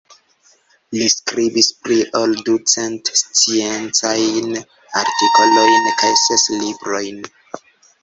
Li skribis pli ol du cent sciencajn artikolojn kaj ses librojn.